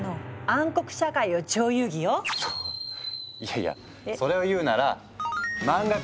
そいやいやそれを言うならそっか！